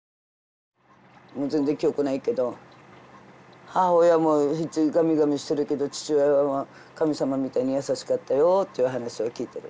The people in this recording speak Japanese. もう全然記憶ないけど母親はガミガミしてるけど父親は神様みたいに優しかったよという話を聞いてる。